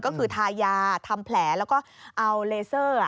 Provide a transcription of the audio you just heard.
ก็คือทายาทำแผลแล้วก็เอาเลเซอร์